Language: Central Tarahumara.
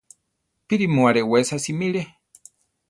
¡Píri mu arewesa simire!